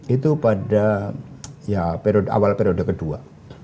itu pada awal periode kedua